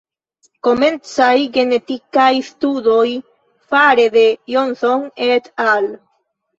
Komencaj genetikaj studoj fare de Johnson et al.